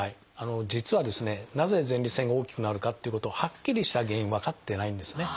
実はですねなぜ前立腺が大きくなるかっていうことはっきりした原因分かってないんですね。